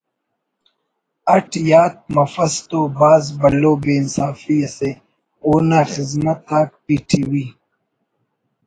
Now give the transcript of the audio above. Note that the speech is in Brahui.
اٹ یات مفس تو بھاز بھلو بے انصافی اسے…… اونا خذمت آک پی ٹی وی